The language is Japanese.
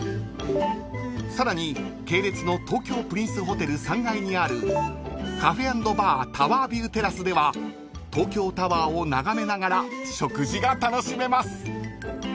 ［さらに系列の東京プリンスホテル３階にあるカフェ＆バータワービューテラスでは東京タワーを眺めながら食事が楽しめます］